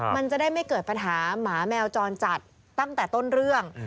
มันจะได้ไม่เกิดปัญหาหมาแมวจรจัดตั้งแต่ต้นเรื่อง